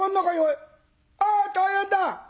「あ大変だ！